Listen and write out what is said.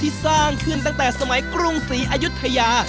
สร้างขึ้นตั้งแต่สมัยกรุงศรีอายุทยา